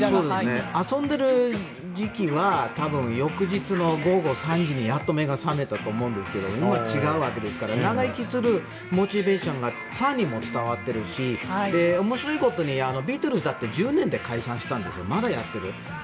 遊んでいる時期は多分翌日の午後３時にやっと目が覚めたと思うんですけど今は違うわけですから長生きするモチベーションがファンにも伝わっているし面白いことにビートルズだって１０年で解散したんですけどまだやっている。